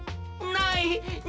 ない！